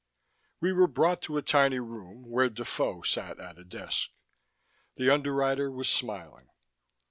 We were brought to a tiny room where Defoe sat at a desk. The Underwriter was smiling.